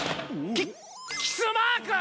キッキスマーク！？